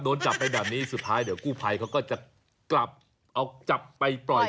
โดนจับไปแบบนี้สุดท้ายเดี๋ยวกู้ภัยเขาก็จะกลับเอาจับไปปล่อย